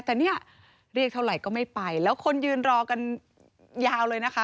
แต่เนี่ยเรียกเท่าไหร่ก็ไม่ไปแล้วคนยืนรอกันยาวเลยนะคะ